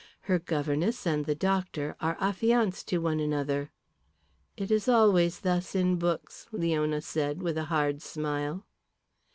Her governess and the doctor are affianced to one another." "It is always thus in books," Leona said, with a hard smile.